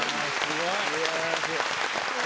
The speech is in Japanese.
すごい！